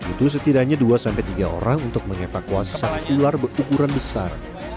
itu setidaknya dua tiga orang untuk mengevakuasi satu ular berukuran besar